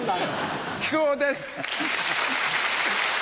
木久扇です！